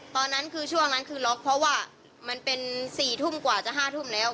ตอนนั้นคือช่วงนั้นคือล็อกเพราะว่ามันเป็น๔ทุ่มกว่าจะ๕ทุ่มแล้ว